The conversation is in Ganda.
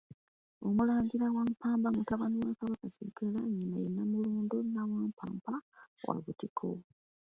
Omulangira Wampamba mutabani wa Kabaka Kiggala, nnyina ye Nnamulondo Nnawampampa wa Butiko.